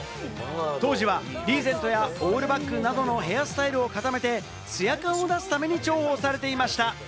当時はリーゼントやオールバックなどのヘアスタイルを固めてツヤ感を出すために重宝されていました。